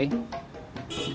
padahal cimande biasanya oke